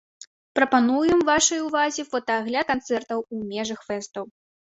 Прапануем вашай увазе фотаагляд канцэртаў у межах фэсту.